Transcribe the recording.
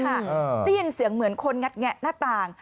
ได้ยินเสียงเหมือนคนงัดแงะหน้าต่าง